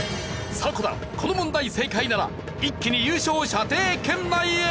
この問題正解なら一気に優勝射程圏内へ！